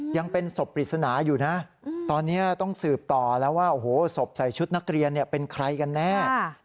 ยังเป็นศพปริศนาอยู่นะตอนนี้ต้องสืบต่อแล้วว่าโอ้โหศพใส่ชุดนักเรียนเป็นใครกันแน่